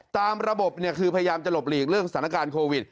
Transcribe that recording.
ตามระบบคือพยายามจะหลบหลีกเรื่องสถานการณ์โควิด